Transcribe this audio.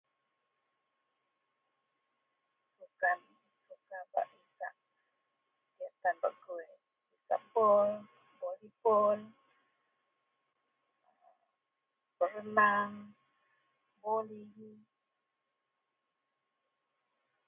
Sukan diyak tan bak nisak, diyak tan bak gui, pisak bol, volibol, berenang, boling